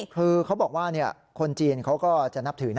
คือเขาบอกว่าคนจีนเขาก็จะนับถือ